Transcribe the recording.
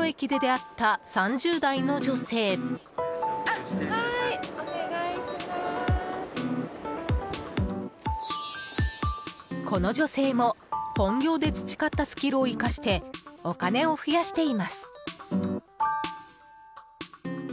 この女性も本業で培ったスキルを生かしてお金を増やしています。